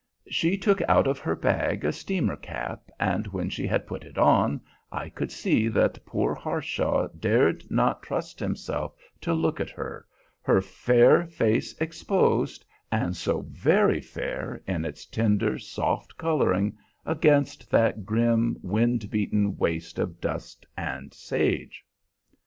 She took out of her bag a steamer cap, and when she had put it on I could see that poor Harshaw dared not trust himself to look at her, her fair face exposed, and so very fair, in its tender, soft coloring, against that grim, wind beaten waste of dust and sage.